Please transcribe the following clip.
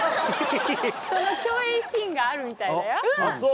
その共演シーンがあるみたいだよ。